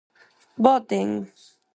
¡Boten!